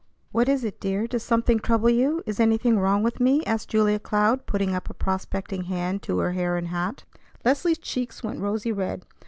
"What is it, dear? Does something trouble you? Is anything wrong with me?" asked Julia Cloud, putting up a prospecting hand to her hair and hat. Leslie's cheeks went rosy red.